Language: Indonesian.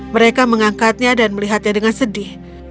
mereka mengangkatnya dan melihatnya dengan sedih